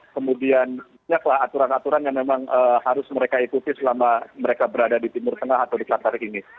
kemudian banyaklah aturan aturan yang memang harus mereka ikuti selama mereka berada di timur tengah atau di qatar ini